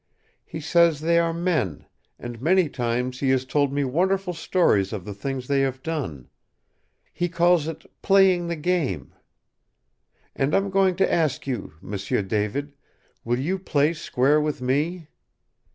He says they are men, and many times he has told me wonderful stories of the things they have done. He calls it 'playing the game.' And I'm going to ask you, M'sieu David, will you play square with me?